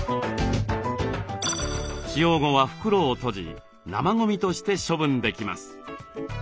使用後は袋を閉じ生ゴミとして処分できます。